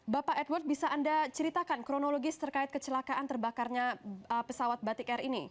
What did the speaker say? bapak edward bisa anda ceritakan kronologis terkait kecelakaan terbakarnya pesawat batik air ini